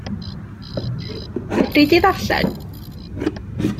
Fedri di ddarllen?